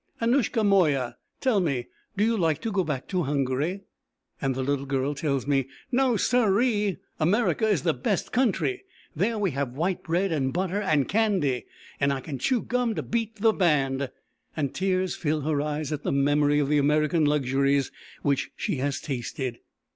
"Anushka moya, tell me, do you like to go back to Hungary?" and the little girl tells me: "No, siree. America is the best country. There we have white bread and butter and candy, and I can chew gum to beat the band;" and tears fill her eyes at the memory of the American luxuries which she has tasted.